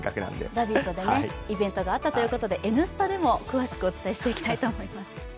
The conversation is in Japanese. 「ラヴィット！」のイベントがあったということで「Ｎスタ」でも詳しくお伝えしていきます。